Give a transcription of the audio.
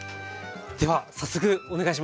では早速お願いします。